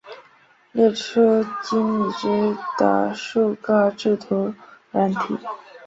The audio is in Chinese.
列出现今已知的数个制图软体